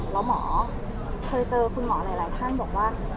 แล้วหมอเคยเจอคุณหมอหลายท่านบอกว่า